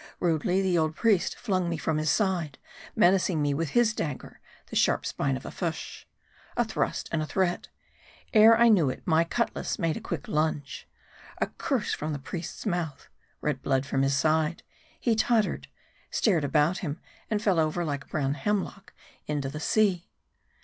Rudely the old priest flung me from his side, menacing me with his dagger, the sharp spine of a fish. A thrust and a threat ! Ere I knew it, my cutlass made a quick lunge. A curse from the priest's mouth ; red blood from his side ; he tottered, stared about him, and fell over like a brown hemlock into the sea.